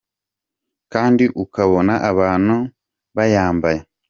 kandi ukabona abantu bayambaye.